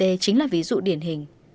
đây chính là ví dụ điển hình